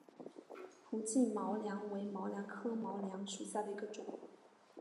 匍枝毛茛为毛茛科毛茛属下的一个种。